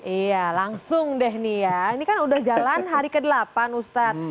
iya langsung deh nih ya ini kan udah jalan hari ke delapan ustadz